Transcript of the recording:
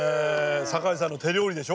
酒井さんの手料理でしょ？